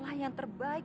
kamu yang alkreport